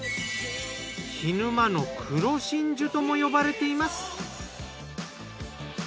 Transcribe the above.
涸沼の黒真珠とも呼ばれています。